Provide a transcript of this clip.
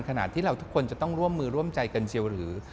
ขนาดที่เราทุกคนจะต้องร่วมมือร่วมใจกันเชียวหรือ